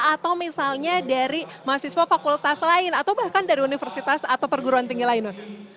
atau misalnya dari mahasiswa fakultas lain atau bahkan dari universitas atau perguruan tinggi lain mas